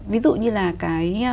ví dụ như là cái